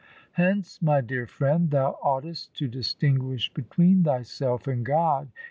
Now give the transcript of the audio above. Hence, my dear friend, thou oughtest to distinguish between thyself and God.